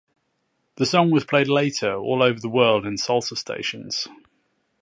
The song was played later all over the world in salsa stations.